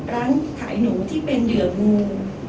ร้านขายหนูที่เป็นเหยื่องู